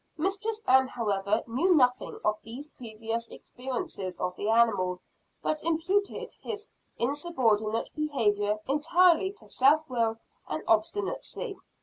Mistress Ann, however, knew nothing of these previous experiences of the animal, but imputed his insubordinate behavior entirely to self will and obstinacy.